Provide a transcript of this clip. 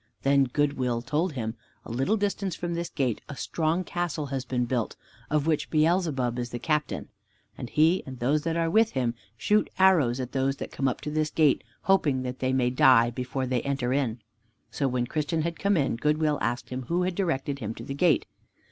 Then Good will told him, "A little distance from this gate a strong castle has been built, of which Beelzebub is the captain. And he and those that are with him shoot arrows at those that come up to this gate, hoping they may die before they enter in." So when Christian had come in, Good will asked him who had directed him to the gate.